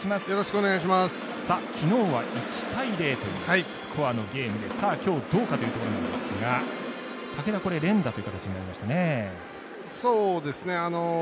昨日は１対０というスコアのゲームで今日、どうかというところになりますが武田、連打という形になりましたね。